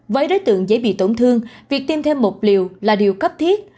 với đối tượng dễ bị tổn thương việc tiêm thêm một liều là điều cấp thiết